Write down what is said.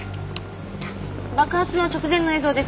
爆発の直前の映像です。